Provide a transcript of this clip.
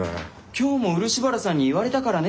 今日も漆原さんに言われたからね。